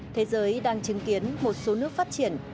thế giới đang chứng kiến một số nước phát triển